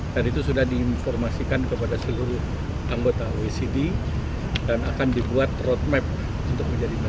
dan itu sudah diinformasikan kepada seluruh anggota oecd dan akan dibuat roadmap untuk menjadi negara